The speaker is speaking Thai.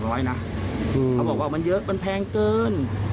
เขาบอกว่ามันเยอะมันแพงเกิน